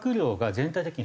全体的に？